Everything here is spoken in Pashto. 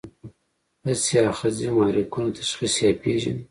حسي آخذې محرکونه تشخیص یا پېژني.